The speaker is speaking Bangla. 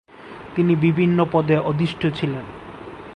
তিনি বিভিন্ন পদে অধিষ্ঠিত ছিলেন।